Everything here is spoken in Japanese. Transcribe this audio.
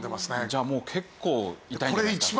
じゃあもう結構痛いんじゃないですか？